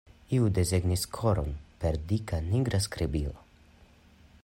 Iu desegnis koron per dika nigra skribilo.